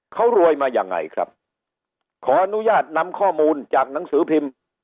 เขารวยมายังไงครับขออนุญาตนำข้อมูลจากหนังสือพิมพ์